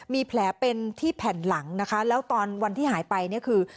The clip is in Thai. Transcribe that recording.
มีแผลเป็นที่แผ่นหลังนะคะแล้วตอนวันที่หายไปเนี่ยคือ